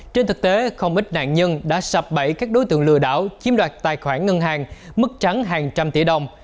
trên thực tế không ít nạn nhân đã sập bẫy các đối tượng lừa đảo chiếm đoạt tài khoản ngân hàng mức trắng hàng trăm tỷ đồng